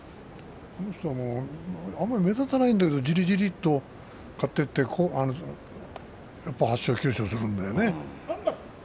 この人もあまり目立たないんだけどじりじりと勝っていって８勝９勝するんでね。